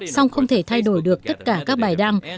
song không thể thay đổi được tất cả các bài đăng